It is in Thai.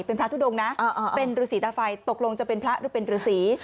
เป็นพระทุดงนะเป็นฤษีตาไฟตกลงจะเป็นพระหรือเป็นฤษี